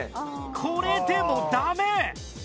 これでもダメ！